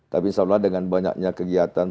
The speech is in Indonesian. tapi insya allah dengan banyaknya kegiatan